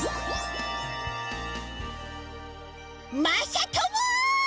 まさとも！